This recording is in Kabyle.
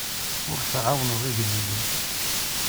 Ur tɛawneḍ igellilen.